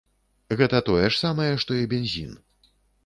Гэта тое ж самае, што і бензін.